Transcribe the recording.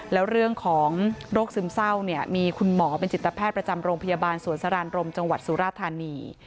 แล้วเรื่องของโรคซึมเศร้าเนี่ยมีคุณหมอเป็นจิตแพทย์ประจำโรงพยาบาลสวนสรานรมจังหวัดสุราธานี